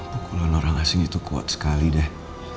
pukulan orang asing itu kuat sekali deh